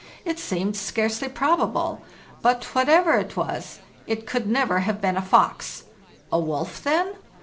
It seemed scarcely probable; but, whatever it was, it could never have been a fox. A wolf, then?.